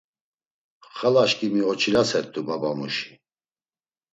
Xalaşǩimi oçilasert̆u babamuşi.